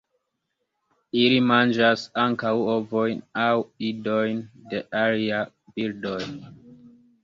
Ili manĝas ankaŭ ovojn aŭ idojn de aliaj birdoj.